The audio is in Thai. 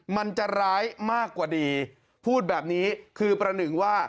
มันจะร้ายมากกว่าดีพูดแบบนี้คือประหนึ่งว่า